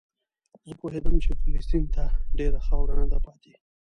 زه پوهېدم چې فلسطین ته ډېره خاوره نه ده پاتې.